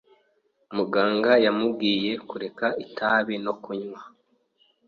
Muganga yamubwiye kureka kunywa itabi no kunywa.